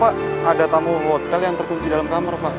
pak ada tamu hotel yang terkunci dalam kamar pak